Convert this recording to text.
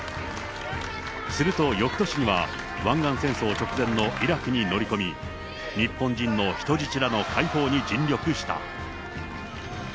すると、よくとしには湾岸戦争直前のイラクに乗り込み、日本人の人質らの解放に尽力した。